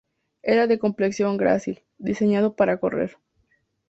Era de complexión grácil, diseñado para correr.